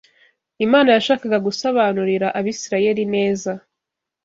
Imana yashakaga gusobanurira Abisirayeli neza